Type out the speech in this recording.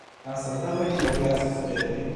Anstataŭe ĝi okazos rete.